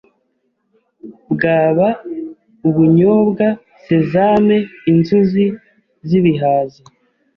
bwaba ubunyobwa, sesame, inzuzi z’ibihaza,